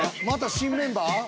また新メンバー？